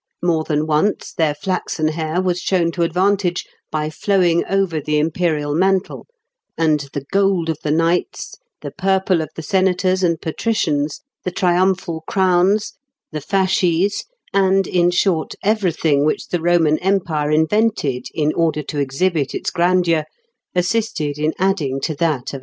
More than once their flaxen hair was shown to advantage by flowing over the imperial mantle, and the gold of the knights, the purple of the senators and patricians, the triumphal crowns, the fasces, and, in short, everything which the Roman Empire invented in order to exhibit its grandeur, assisted in adding to that of our ancestors."